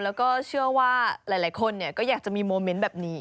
แล้วก็เชื่อว่าหลายคนก็อยากจะมีโมเมนต์แบบนี้